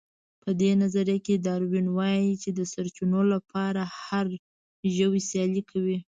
په دې نظريه کې داروېن وايي چې د سرچينو لپاره هر ژوی سيالي کوي.